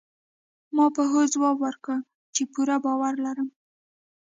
ما په هوځواب ورکړ، چي پوره باور لرم.